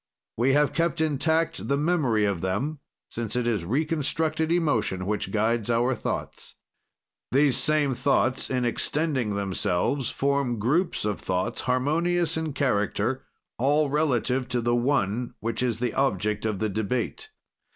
"We have kept intact the memory of them, since it is reconstructed emotion which guides our thoughts. "These same thoughts, in extending themselves, form groups of thoughts harmonious in character, all relative to the one, which is the object of the debate.